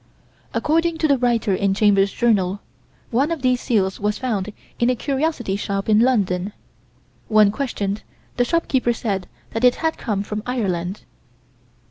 According to the writer in Chambers' Journal, one of these seals was found in a curiosity shop in London. When questioned, the shopkeeper said that it had come from Ireland.